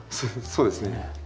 そうですね。